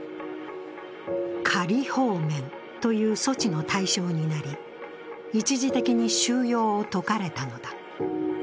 仮放免という措置の対象になり、一時的に収容を解かれたのだ。